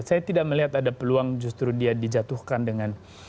saya tidak melihat ada peluang justru dia dijatuhkan dengan